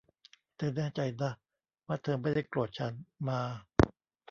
เธอแน่ใจนะว่าเธอไม่ได้โกรธฉัน มา